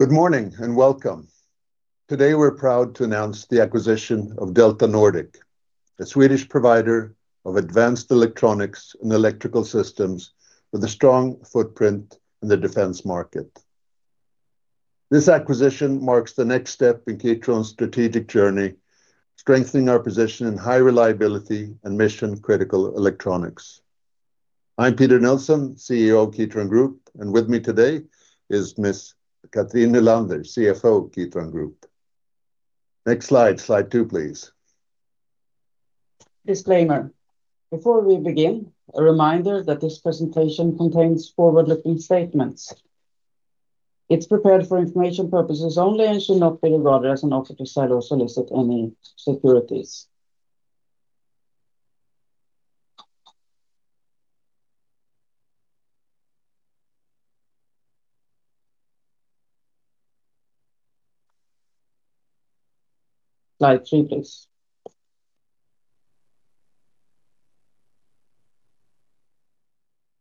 Good morning and welcome. Today we're proud to announce the acquisition of DeltaNordic, a Swedish provider of advanced electronics and electrical systems with a strong footprint in the defense market. This acquisition marks the next step in Kitron's strategic journey, strengthening our position in high reliability and mission-critical electronics. I'm Peter Nilsson, CEO of Kitron Group, and with me today is Ms. Cathrin Nylander, CFO of Kitron Group. Next slide, slide two, please. Disclaimer: Before we begin, a reminder that this presentation contains forward-looking statements. It's prepared for information purposes only and should not be regarded as an offer to sell or solicit any securities. Slide three, please.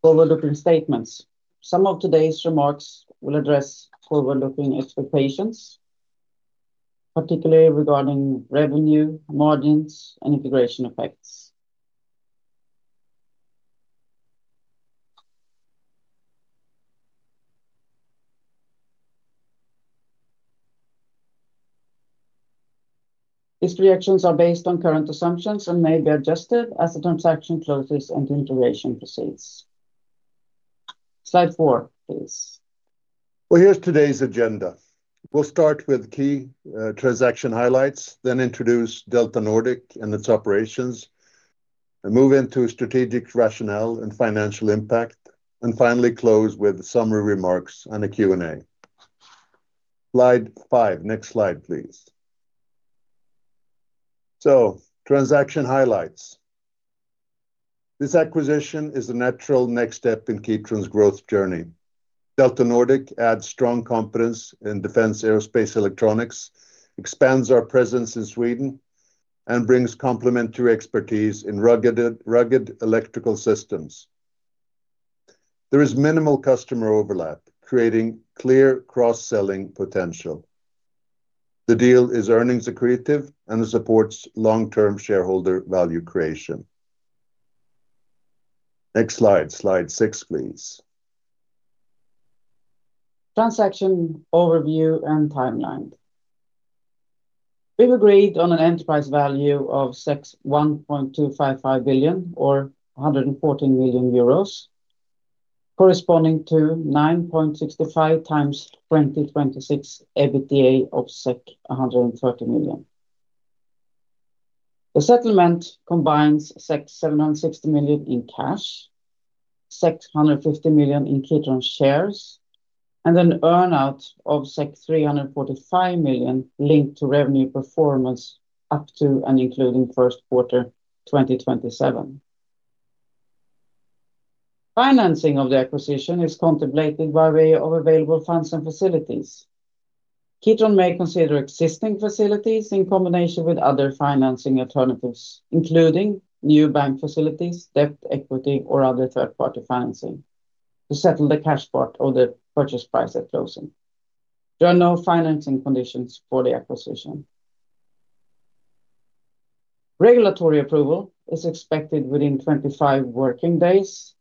Forward-looking statements. Some of today's remarks will address forward-looking expectations, particularly regarding revenue, margins, and integration effects. These projections are based on current assumptions and may be adjusted as the transaction closes and integration proceeds. Slide four, please. Here is today's agenda. We'll start with key transaction highlights, then introduce DeltaNordic and its operations, move into strategic rationale and financial impact, and finally close with summary remarks and a Q&A. Slide five. Next slide, please. Transaction highlights. This acquisition is a natural next step in Kitron's growth journey. DeltaNordic adds strong confidence in defense aerospace electronics, expands our presence in Sweden, and brings complementary expertise in rugged electrical systems. There is minimal customer overlap, creating clear cross-selling potential. The deal is earnings accretive and supports long-term shareholder value creation. Next slide. Slide six, please. Transaction overview and timeline. We have agreed on an enterprise value of 1.255 billion, or 114 million euros, corresponding to 9.65 times 2026 EBITDA of 130 million. The settlement combines 760 million in cash, 150 million in Kitron shares, and an earnout of 345 million linked to revenue performance up to and including first quarter 2027. Financing of the acquisition is contemplated by way of available funds and facilities. Kitron may consider existing facilities in combination with other financing alternatives, including new bank facilities, debt equity, or other third-party financing, to settle the cash part of the purchase price at closing. There are no financing conditions for the acquisition. Regulatory approval is expected within 25 working days,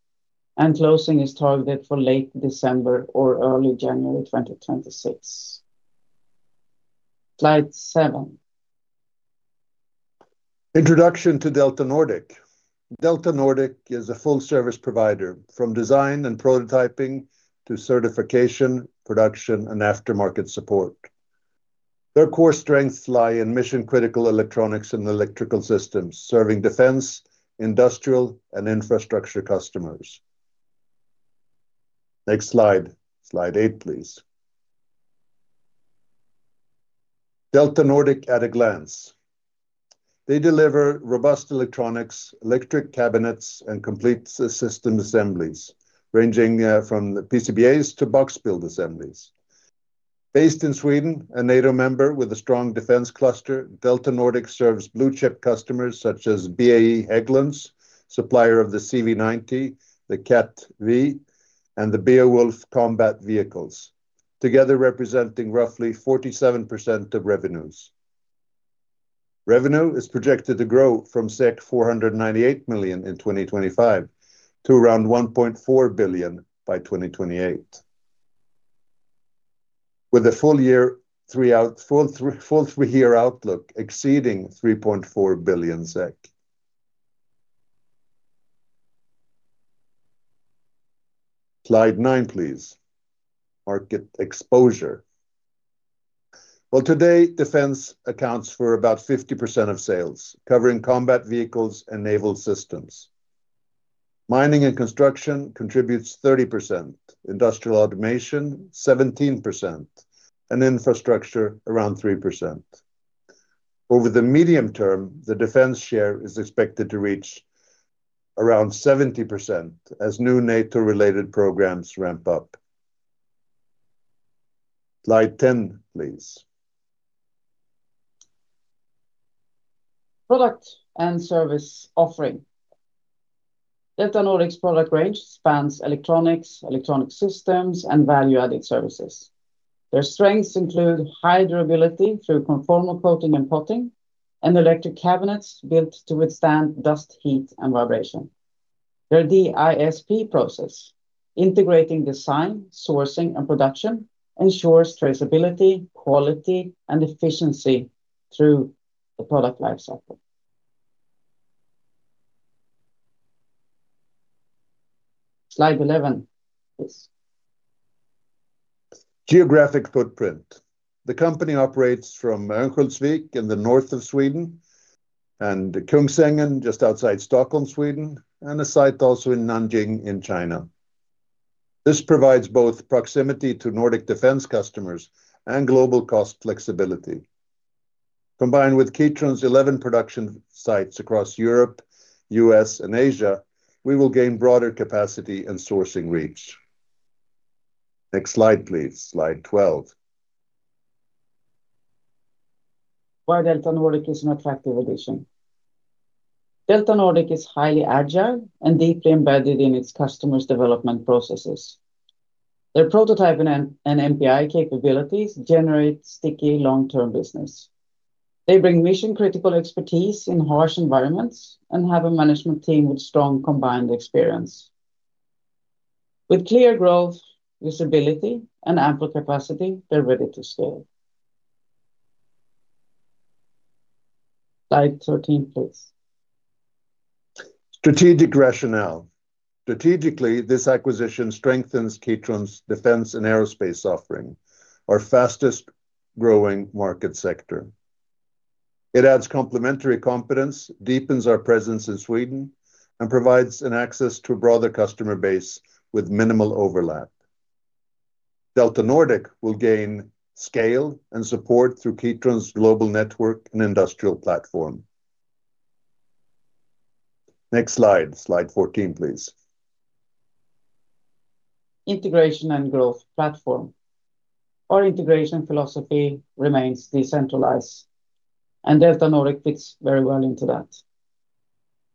and closing is targeted for late December or early January 2026. Slide seven. Introduction to DeltaNordic. DeltaNordic is a full-service provider, from design and prototyping to certification, production, and aftermarket support. Their core strengths lie in mission-critical electronics and electrical systems, serving defense, industrial, and infrastructure customers. Next slide. Slide eight, please. DeltaNordic at a glance. They deliver robust electronics, electric cabinets, and complete system assemblies, ranging from PCBAs to box build assemblies. Based in Sweden, a NATO member with a strong defense cluster, DeltaNordic serves blue-chip customers such as BAE Systems Hägglunds, supplier of the CV90, the CATV, and the Beowulf combat vehicles, together representing roughly 47% of revenues. Revenue is projected to grow from 498 million in 2025 to around 1.4 billion by 2028, with a full-year outlook exceeding SEK 3.4 billion. Slide nine, please. Market exposure. Today, defense accounts for about 50% of sales, covering combat vehicles and naval systems. Mining and construction contribute 30%, industrial automation 17%, and infrastructure around 3%. Over the medium term, the defense share is expected to reach around 70% as new NATO-related programs ramp up. Slide 10, please. Product and service offering. DeltaNordic's product range spans electronics, electronic systems, and value-added services. Their strengths include high durability through conformal coating and potting, and electric cabinets built to withstand dust, heat, and vibration. Their DISP process, integrating design, sourcing, and production, ensures traceability, quality, and efficiency through the product lifecycle. Slide 11, please. Geographic footprint. The company operates from Ängsjönsvik in the north of Sweden and Kungsängen just outside Stockholm, Sweden, and a site also in Nanjing in China. This provides both proximity to Nordic defense customers and global cost flexibility. Combined with Kitron's 11 production sites across Europe, the U.S., and Asia, we will gain broader capacity and sourcing reach. Next slide, please. Slide 12. Why DeltaNordic is an attractive addition. DeltaNordic is highly agile and deeply embedded in its customers' development processes. Their prototype and MPI capabilities generate sticky, long-term business. They bring mission-critical expertise in harsh environments and have a management team with strong combined experience. With clear growth, usability, and ample capacity, they're ready to scale. Slide 13, please. Strategic rationale. Strategically, this acquisition strengthens Kitron's defense and aerospace offering, our fastest-growing market sector. It adds complementary competence, deepens our presence in Sweden, and provides access to a broader customer base with minimal overlap. DeltaNordic will gain scale and support through Kitron's global network and industrial platform. Next slide. Slide 14, please. Integration and growth platform. Our integration philosophy remains decentralized, and DeltaNordic fits very well into that.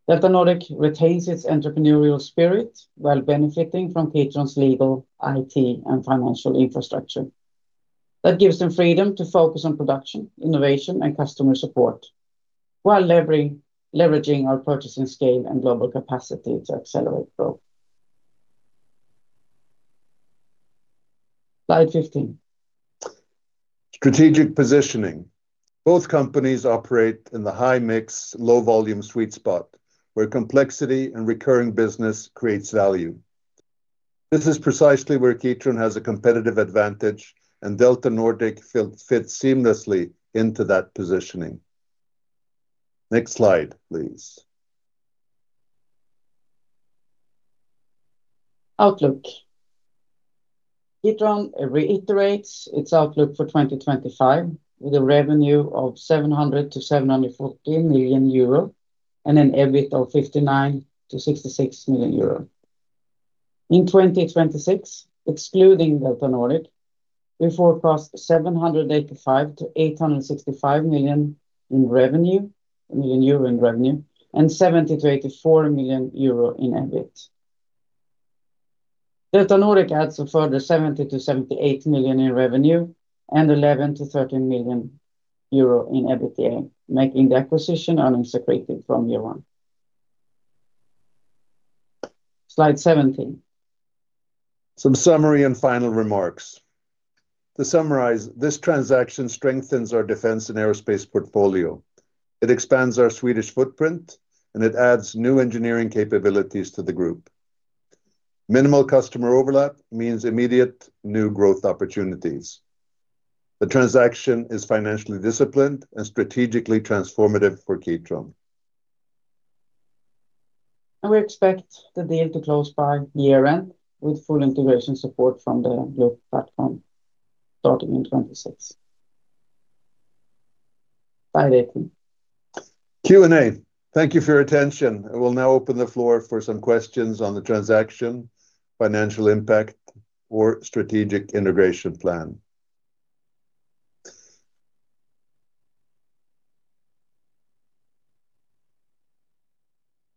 DeltaNordic retains its entrepreneurial spirit while benefiting from Kitron's legal, IT, and financial infrastructure. That gives them freedom to focus on production, innovation, and customer support while leveraging our purchasing scale and global capacity to accelerate growth. Slide 15. Strategic positioning. Both companies operate in the high-mix low-volume sweet spot, where complexity and recurring business creates value. This is precisely where Kitron has a competitive advantage, and DeltaNordic fits seamlessly into that positioning. Next slide, please. Outlook. Kitron reiterates its outlook for 2025 with a revenue of 700 million-740 million euro and an EBIT of 59 million-66 million euro. In 2026, excluding DeltaNordic, we forecast 785 million-865 million in revenue, 70 million-84 million euro in EBIT. DeltaNordic adds a further 70 million-78 million in revenue and 11 million-13 million euro in EBITDA, making the acquisition earnings accretive from year one. Slide 17. Some summary and final remarks. To summarize, this transaction strengthens our defense and aerospace portfolio. It expands our Swedish footprint, and it adds new engineering capabilities to the group. Minimal customer overlap means immediate new growth opportunities. The transaction is financially disciplined and strategically transformative for Kitron. We expect the deal to close by year-end with full integration support from the blue platform starting in 2026. Slide 18. Q&A. Thank you for your attention. I will now open the floor for some questions on the transaction, financial impact, or strategic integration plan.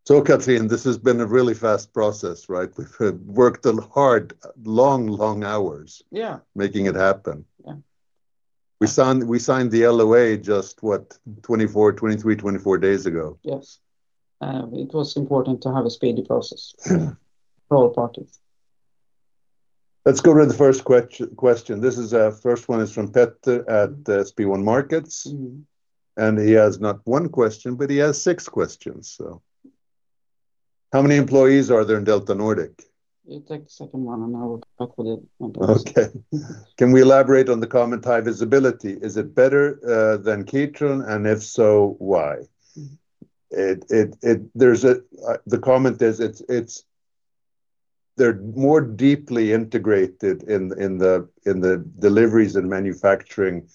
Cathrin, this has been a really fast process, right? We've worked hard, long, long hours. Yeah. Making it happen. Yeah. We signed the LOA just, what, 24, 23, 24 days ago. Yes. It was important to have a speedy process for all parties. Let's go to the first question. This is the first one is from Petter at SB1 Markets, and he has not one question, but he has six questions. How many employees are there in DeltaNordic? You take the second one, and I will come back with it. Okay. Can we elaborate on the comment, high visibility? Is it better than Kitron? And if so, why? The comment is they're more deeply integrated in the deliveries and manufacturing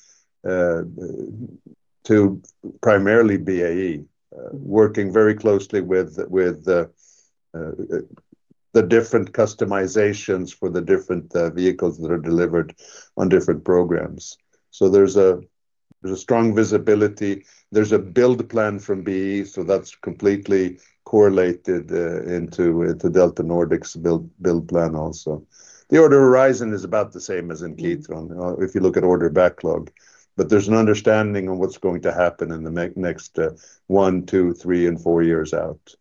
to primarily BAE, working very closely with the different customizations for the different vehicles that are delivered on different programs. There is a strong visibility. There is a build plan from BAE, so that is completely correlated into DeltaNordic's build plan also. The order horizon is about the same as in Kitron if you look at order backlog, but there is an understanding of what is going to happen in the next one, two, three, and four years out.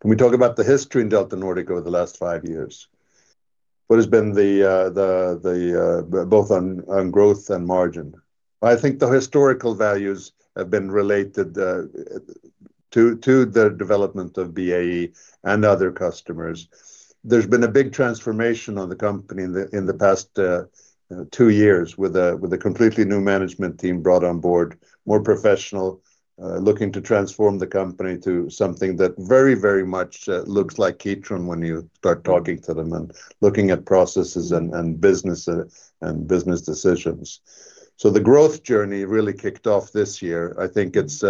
Can we talk about the history in DeltaNordic over the last five years? What has been both on growth and margin? I think the historical values have been related to the development of BAE and other customers. There's been a big transformation of the company in the past two years with a completely new management team brought on board, more professional, looking to transform the company to something that very, very much looks like Kitron when you start talking to them and looking at processes and business decisions. The growth journey really kicked off this year. I think it's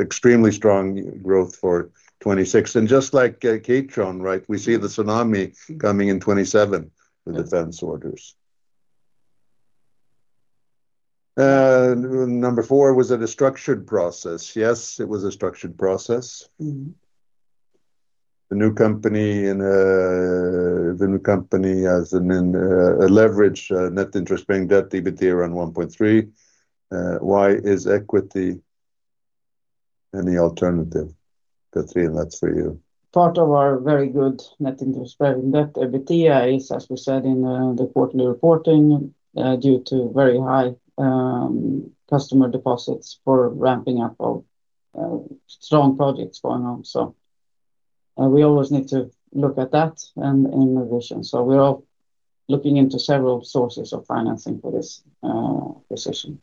extremely strong growth for 2026. Just like Kitron, right, we see the tsunami coming in 2027 with defense orders. Number four, was it a structured process? Yes, it was a structured process. The new company has a leverage net interest-bearing debt EBITDA around 1.3. Why is equity any alternative? That's for you. Part of our very good net interest-bearing debt EBITDA is, as we said in the quarterly reporting, due to very high customer deposits for ramping up of strong projects going on. We always need to look at that and innovation. We are all looking into several sources of financing for this position.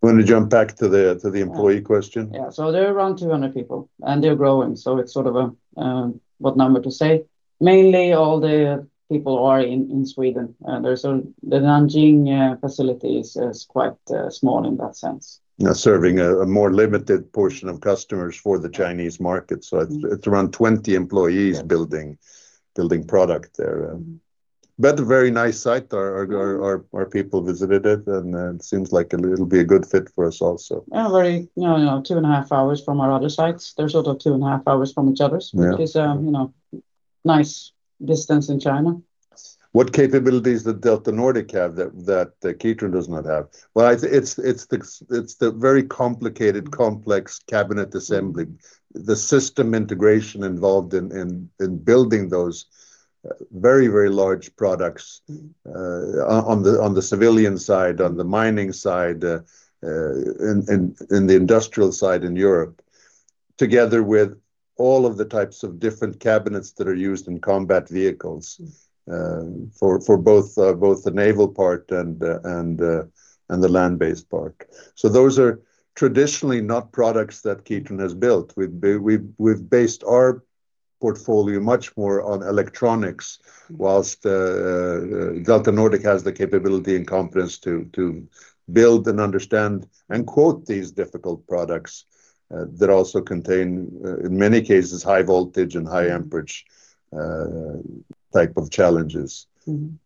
Want to jump back to the employee question? Yeah. There are around 200 people, and they're growing. It's sort of a what number to say? Mainly, all the people are in Sweden. The Nanjing facility is quite small in that sense. Now serving a more limited portion of customers for the Chinese market. It is around 20 employees building product there. A very nice site. Our people visited it, and it seems like it will be a good fit for us also. No, no, two and a half hours from our other sites. They're sort of two and a half hours from each other because nice distance in China. What capabilities does DeltaNordic have that Kitron does not have? It's the very complicated, complex cabinet assembly, the system integration involved in building those very, very large products on the civilian side, on the mining side, in the industrial side in Europe, together with all of the types of different cabinets that are used in combat vehicles for both the naval part and the land-based part. Those are traditionally not products that Kitron has built. We've based our portfolio much more on electronics, whilst DeltaNordic has the capability and competence to build and understand and quote these difficult products that also contain, in many cases, high voltage and high amperage type of challenges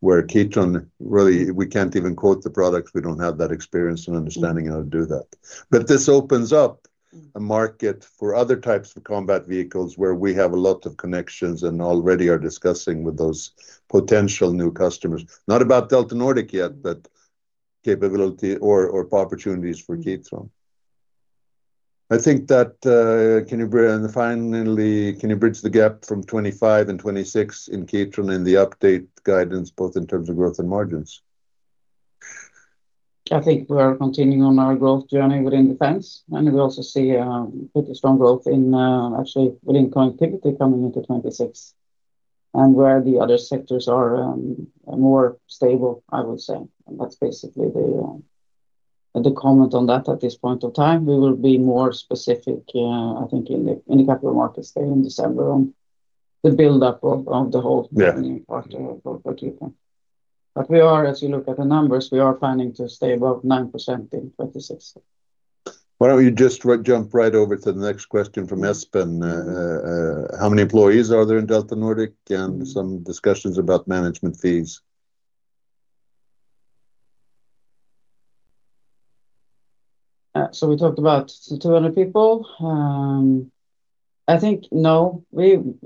where Kitron really we can't even quote the products. We don't have that experience and understanding how to do that. This opens up a market for other types of combat vehicles where we have a lot of connections and already are discussing with those potential new customers. Not about DeltaNordic yet, but capability or opportunities for Kitron. I think that can you finally can you bridge the gap from 2025 and 2026 in Kitron in the update guidance, both in terms of growth and margins? I think we are continuing on our growth journey within defense, and we also see pretty strong growth in actually within connectivity coming into 2026 where the other sectors are more stable, I would say. That is basically the comment on that at this point of time. We will be more specific, I think, in the capital markets in December on the build-up of the whole revenue part for Kitron. As you look at the numbers, we are planning to stay above 9% in 2026. Why don't we just jump right over to the next question from Espen? How many employees are there in DeltaNordic and some discussions about management fees? We talked about 200 people. I think no.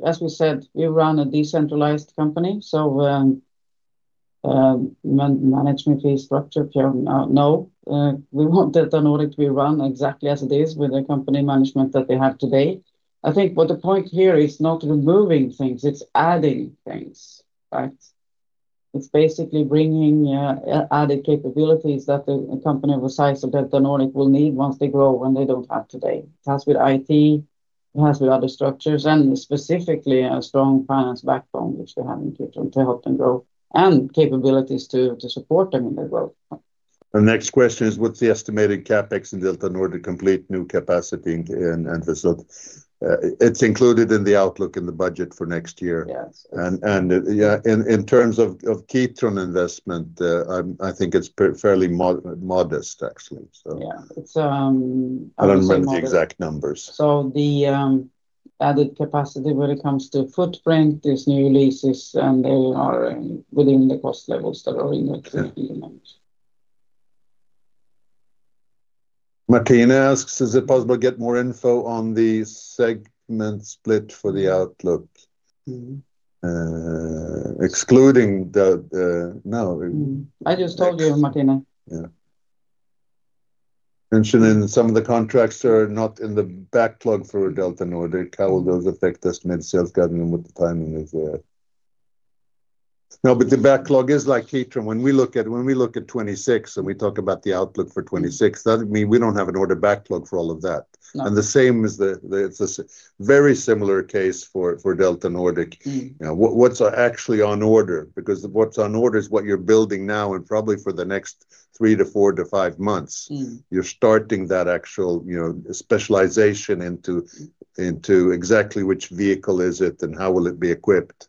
As we said, we run a decentralized company. Management fee structure here, no. We want DeltaNordic to be run exactly as it is with the company management that they have today. I think what the point here is not removing things. It's adding things, right? It's basically bringing added capabilities that the company of a size of DeltaNordic will need once they grow when they do not have today. It has with IT, it has with other structures, and specifically a strong finance backbone, which they have in Kitron to help them grow and capabilities to support them in their growth. The next question is, what's the estimated CapEx in DeltaNordic complete new capacity and facility? It's included in the outlook in the budget for next year. Yes. In terms of Kitron investment, I think it's fairly modest, actually. Yeah. I don't remember the exact numbers. The added capacity when it comes to footprint, there's new leases, and they are within the cost levels that are in the treatment. Martina asks, is it possible to get more info on the segment split for the outlook? Excluding the no. I just told you, Martina. Yeah. Mentioning some of the contracts are not in the backlog for DeltaNordic. How will those affect us mid-sales? What the timing is there? No, but the backlog is like Kitron. When we look at 2026 and we talk about the outlook for 2026, that means we do not have an order backlog for all of that. The same is the very similar case for DeltaNordic. What is actually on order? Because what is on order is what you are building now and probably for the next three to four to five months. You are starting that actual specialization into exactly which vehicle is it and how will it be equipped.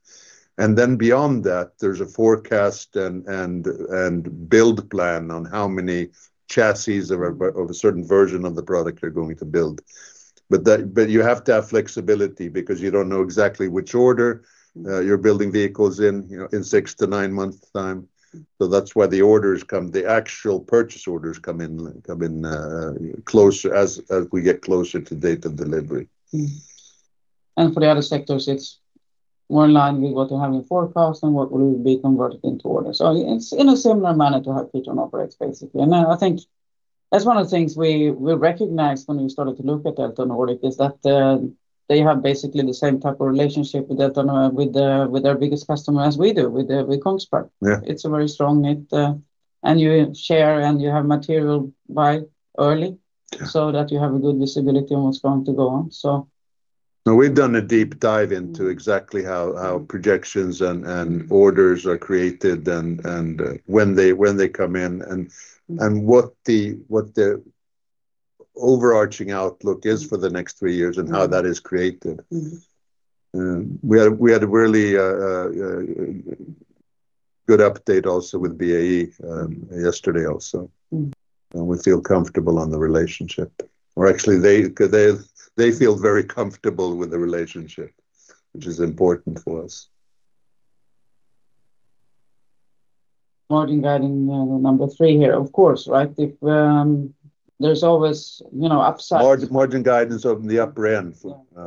Beyond that, there is a forecast and build plan on how many chassis of a certain version of the product you are going to build. You have to have flexibility because you don't know exactly which order you're building vehicles in six to nine months' time. That's why the orders come, the actual purchase orders come in as we get closer to date of delivery. For the other sectors, it's more in line with what we have in forecast and what will be converted into orders. It's in a similar manner to how Kitron operates, basically. I think that's one of the things we recognized when we started to look at DeltaNordic is that they have basically the same type of relationship with their biggest customer as we do with KONGSBERG. It's a very strong net. You share and you have material by early so that you have a good visibility on what's going to go on. We have done a deep dive into exactly how projections and orders are created and when they come in and what the overarching outlook is for the next three years and how that is created. We had a really good update also with BAE yesterday also. We feel comfortable on the relationship. Or actually, they feel very comfortable with the relationship, which is important for us. Margin guidance number three here, of course, right? There's always upside. Margin guidance on the upper end.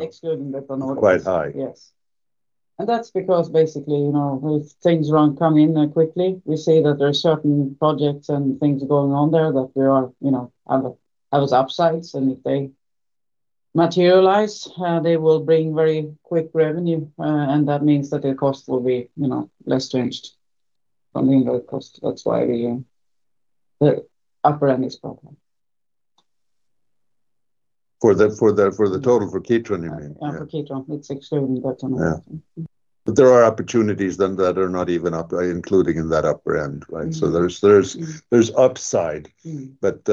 Excluding DeltaNordic. It's quite high. Yes. That is because basically things come in quickly. We see that there are certain projects and things going on there that have upsides. If they materialize, they will bring very quick revenue. That means that the cost will be less changed from the inverted cost. That is why the upper end is quite high. For the total for Kitron, you mean? For Kitron, it's excluding DeltaNordic. Yeah. But there are opportunities then that are not even included in that upper end, right? So there's upside, but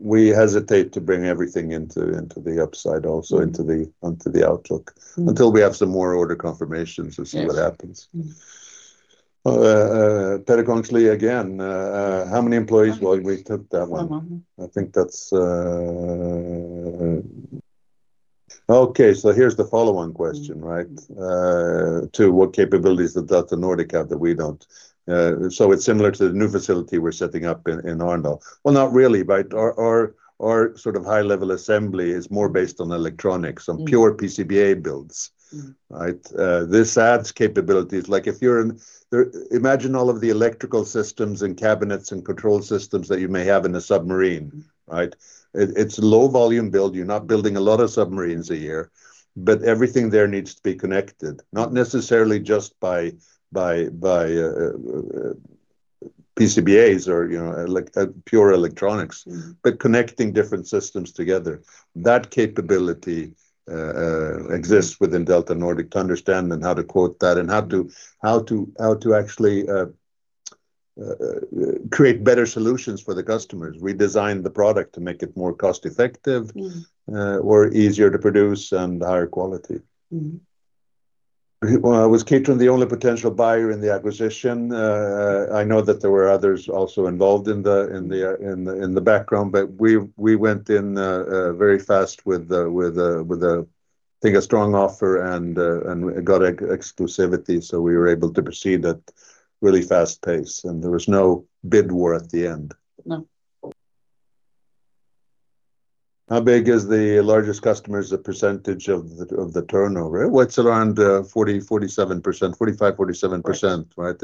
we hesitate to bring everything into the upside also, into the outlook, until we have some more order confirmations to see what happens. Petter Kongslie, again, how many employees? We took that one. I think that's okay. Here's the follow-on question, right? To what capabilities does DeltaNordic have that we don't? It's similar to the new facility we're setting up in Arendal. Not really, right? Our sort of high-level assembly is more based on electronics, on pure PCBA builds, right? This adds capabilities. Like if you imagine all of the electrical systems and cabinets and control systems that you may have in a submarine, right? It's a low-volume build. You're not building a lot of submarines a year, but everything there needs to be connected, not necessarily just by PCBAs or pure electronics, but connecting different systems together. That capability exists within DeltaNordic to understand and how to quote that and how to actually create better solutions for the customers. We design the product to make it more cost-effective or easier to produce and higher quality. Was Kitron the only potential buyer in the acquisition? I know that there were others also involved in the background, but we went in very fast with a strong offer and got exclusivity. We were able to proceed at really fast pace. There was no bid war at the end. No. How big is the largest customer's percentage of the turnover? It's around 45%-47%, right?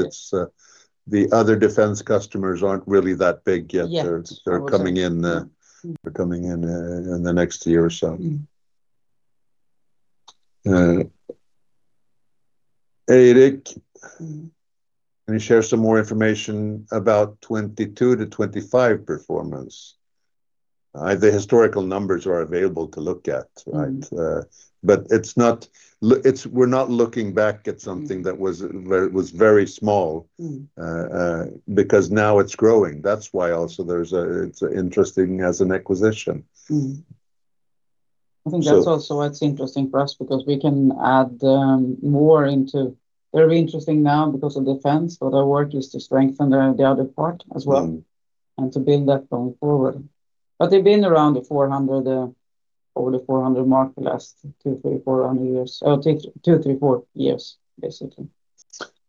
The other defense customers aren't really that big yet. They're coming in in the next year or so. Erik, can you share some more information about 2022 to 2025 performance? The historical numbers are available to look at, right? But we're not looking back at something that was very small because now it's growing. That's why also it's interesting as an acquisition. I think that's also what's interesting for us because we can add more into very interesting now because of defense, but our work is to strengthen the other part as well and to build that going forward. They've been around over the 400 mark for the last two, three, four years, basically.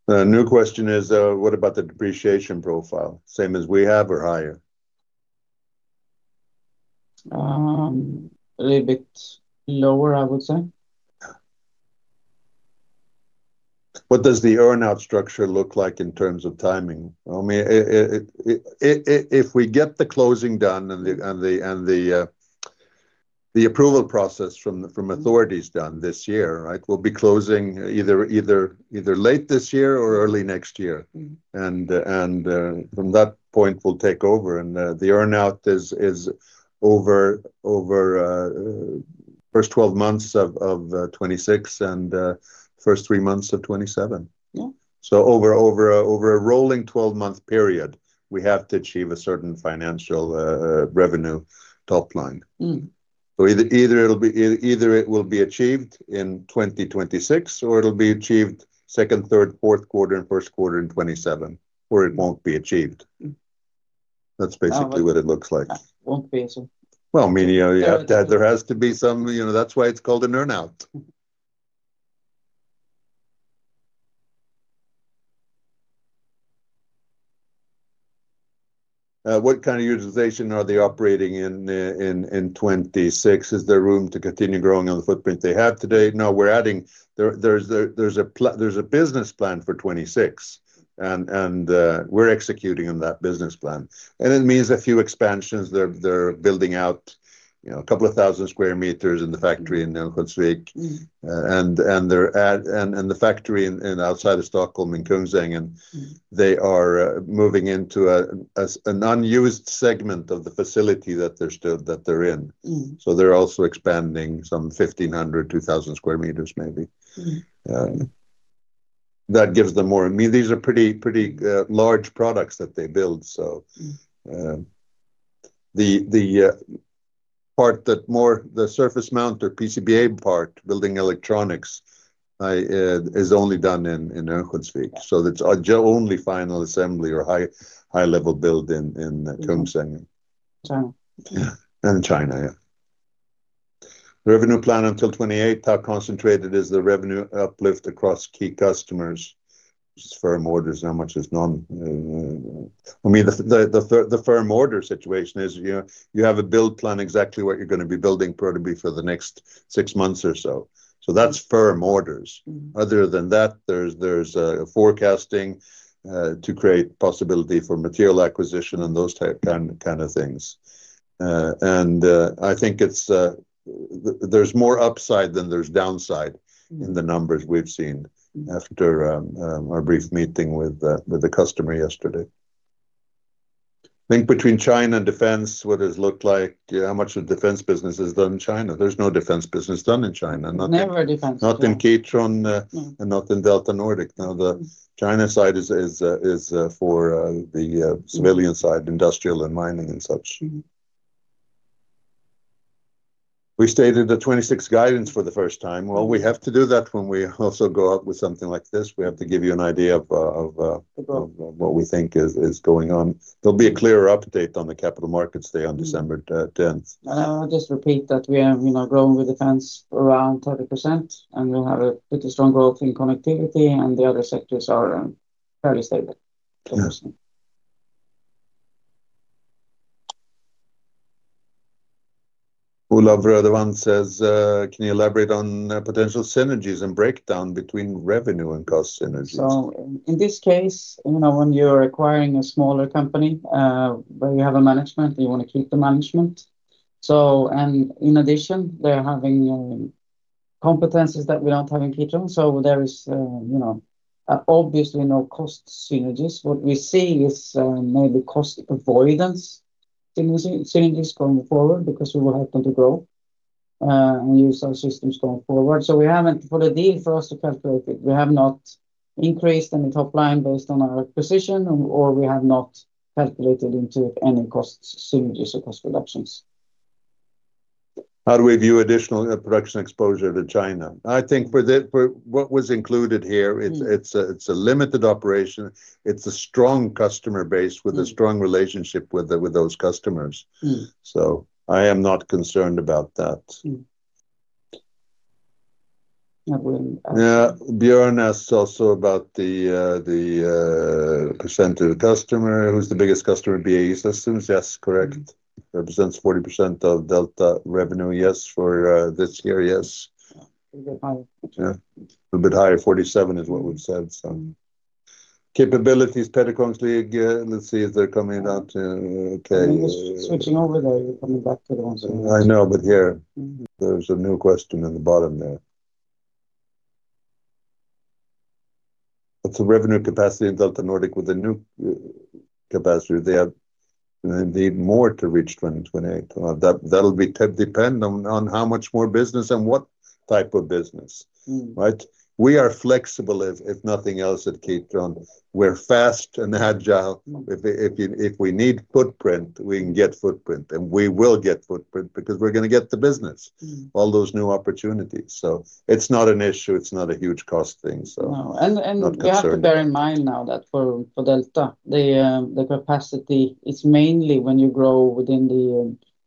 The new question is, what about the depreciation profile? Same as we have or higher? A little bit lower, I would say. What does the earnout structure look like in terms of timing? I mean, if we get the closing done and the approval process from authorities done this year, right, we'll be closing either late this year or early next year. From that point, we'll take over. The earnout is over first 12 months of 2026 and first three months of 2027. Over a rolling 12-month period, we have to achieve a certain financial revenue top line. Either it will be achieved in 2026 or it'll be achieved second, third, fourth quarter, and first quarter in 2027, or it won't be achieved. That's basically what it looks like. Won't be achieved. I mean, there has to be some, that's why it's called an earnout. What kind of utilization are they operating in 2026? Is there room to continue growing on the footprint they have today? No, we're adding, there's a business plan for 2026, and we're executing on that business plan. It means a few expansions. They're building out a couple of thousand sq m in the factory in Ängsjönsvik. The factory outside of Stockholm in Kungsängen, they are moving into an unused segment of the facility that they're in. They're also expanding some 1,500-2,000 sq m, maybe. That gives them more, I mean, these are pretty large products that they build. The part that is more the surface mount or PCBA part, building electronics, is only done in Ängsjönsvik. It's only final assembly or high-level build in Kungsängen. China. China, yeah. Revenue plan until 2028, how concentrated is the revenue uplift across key customers? It's firm orders, not much is none. I mean, the firm order situation is you have a build plan exactly what you're going to be building probably for the next six months or so. That's firm orders. Other than that, there's forecasting to create possibility for material acquisition and those kind of things. I think there's more upside than there's downside in the numbers we've seen after our brief meeting with the customer yesterday. I think between China and defense, what does it look like? How much of the defense business is done in China? There's no defense business done in China. Never defense business. Not in Kitron and not in DeltaNordic. Now, the China side is for the civilian side, industrial and mining and such. We stated the 2026 guidance for the first time. We have to do that when we also go out with something like this. We have to give you an idea of what we think is going on. There will be a clearer update on the capital markets day on December 10th. I'll just repeat that we are growing with defense around 30%, and we'll have a pretty strong growth in connectivity, and the other sectors are fairly stable. Yeah. Olav Rødevand says, "Can you elaborate on potential synergies and breakdown between revenue and cost synergies? In this case, when you're acquiring a smaller company where you have a management, you want to keep the management. In addition, they're having competencies that we don't have in Kitron. There is obviously no cost synergies. What we see is maybe cost avoidance synergies going forward because we will have them to grow and use our systems going forward. For the deal for us to calculate it, we have not increased any top line based on our acquisition, or we have not calculated into it any cost synergies or cost reductions. How do we view additional production exposure to China? I think what was included here, it's a limited operation. It's a strong customer base with a strong relationship with those customers. I am not concerned about that. That wouldn't matter. Bjorn asked also about the percentage of customer. Who's the biggest customer of BAE Systems? Yes, correct. Represents 40% of DeltaNordic revenue. Yes, for this year, yes. A little bit higher. Yeah. A little bit higher. 47% is what we've said. So capabilities, Petter Kongslie again, let's see if they're coming out. Okay. Switching over there, you're coming back to the one. I know, but here, there's a new question in the bottom there. What's the revenue capacity in DeltaNordic with the new capacity? They have indeed more to reach 2028. That'll depend on how much more business and what type of business, right? We are flexible, if nothing else, at Kitron. We're fast and agile. If we need footprint, we can get footprint. We will get footprint because we're going to get the business, all those new opportunities. It's not an issue. It's not a huge cost thing, so. You have to bear in mind now that for Delta, the capacity is mainly when you grow within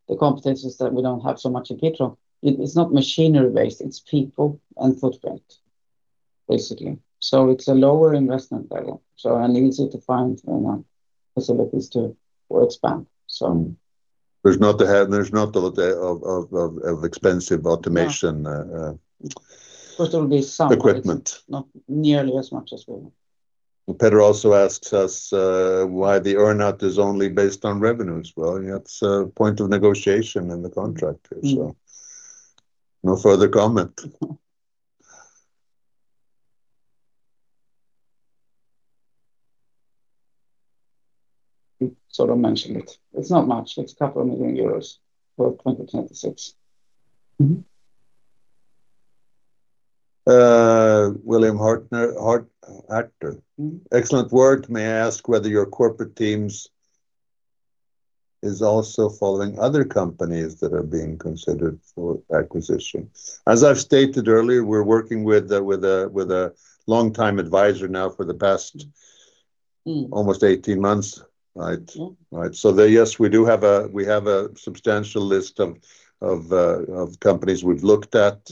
the competencies that we do not have so much in Kitron. It is not machinery-based. It is people and footprint, basically. It is a lower investment level. It is easy to find facilities to expand. There's not a lot of expensive automation. There will be some. Equipment. Not nearly as much as we want. Petter also asks us why the earnout is only based on revenues. That is a point of negotiation in the contract here, so. No further comment. Sort of mentioned it. It's not much. It's a couple of million EUR for 2026. Excellent work. May I ask whether your corporate teams are also following other companies that are being considered for acquisition? As I've stated earlier, we're working with a long-time advisor now for the past almost 18 months, right? Yes, we do have a substantial list of companies we've looked at,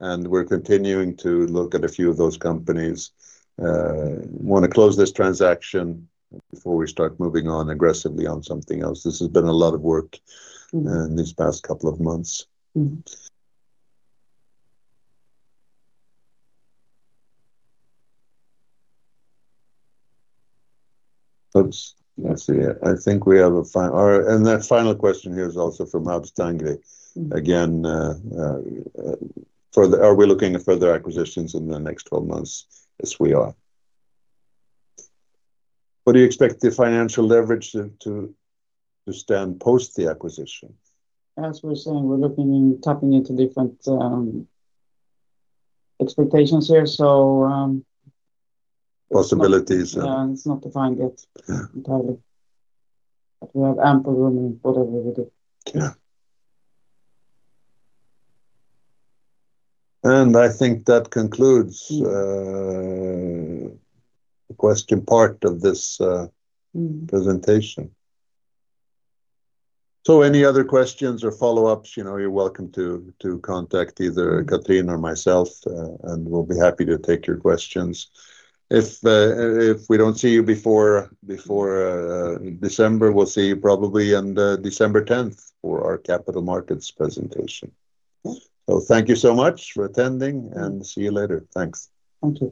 and we're continuing to look at a few of those companies. Want to close this transaction before we start moving on aggressively on something else. This has been a lot of work in these past couple of months. I see. I think we have a final and the final question here is also from Alps Tangri. Again, are we looking at further acquisitions in the next 12 months? Yes, we are. What do you expect the financial leverage to stand post the acquisition? As we're saying, we're looking and tapping into different expectations here. Possibilities. Yeah, it's not defined yet entirely. We have ample room in whatever we do. Yeah. I think that concludes the question part of this presentation. Any other questions or follow-ups, you're welcome to contact either Cathrin or myself, and we'll be happy to take your questions. If we do not see you before December, we'll see you probably on December 10th for our capital markets presentation. Thank you so much for attending, and see you later. Thanks. Thank you.